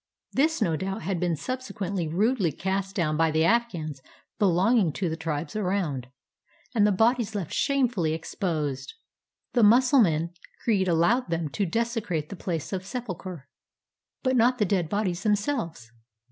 This, no doubt, had been subsequently rudely cast down by the Afghans belonging to the tribes around, and the bodies left shamefully exposed; the Mussulman creed allowing them to desecrate the place of sepulcher, but not the dead bodies themselves.